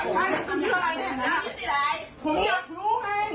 ผมอยากรู้แม่ง